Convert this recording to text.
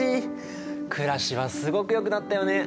暮らしはすごくよくなったよね。